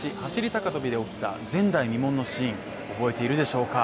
高跳びで起きた前代未聞のシーンを覚えているでしょうか？